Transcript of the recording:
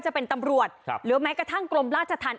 จะเป็นตำรวจหรือแม้กระทั่งกรมราชธรรม